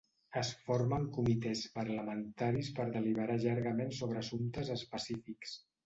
Es formen comitès parlamentaris per deliberar llargament sobre assumptes específics.